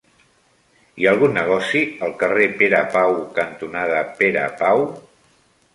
Hi ha algun negoci al carrer Pere Pau cantonada Pere Pau?